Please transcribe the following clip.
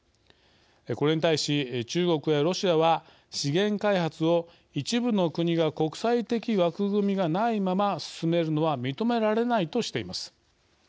これに対し中国やロシアは資源開発を一部の国が国際的枠組みがないまま進めるのは認められないとしています。